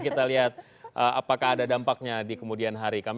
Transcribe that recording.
kita lihat apakah ada dampaknya di kemudian hari